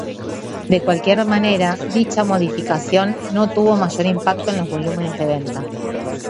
De cualquier manera dicha modificación no tuvo mayor impacto en los volúmenes de venta